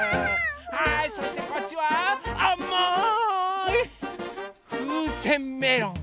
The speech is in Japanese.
はいそしてこっちはあまいふうせんメロン。